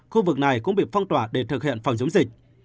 khu vực này cũng bị phong tỏa để thực hiện phòng chống dịch